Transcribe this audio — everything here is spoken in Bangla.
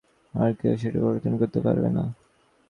আর কেউ সেটা পরিবর্তন করতে পারবে না।